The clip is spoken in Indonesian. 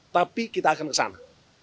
tapi kita akan ke sana